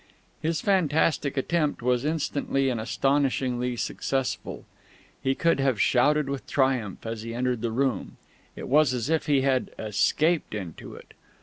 His fantastic attempt was instantly and astonishingly successful. He could have shouted with triumph as he entered the room; it was as if he had escaped into it.